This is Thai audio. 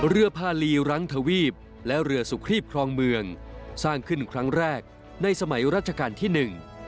เรือพาลีรังทวีปและเรือสุขรีบครองเมืองสร้างขึ้นครั้งแรกในสมัยรัชกาลที่หนึ่ง